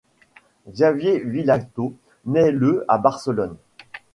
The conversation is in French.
Xavier Vilato naît le à Barcelone.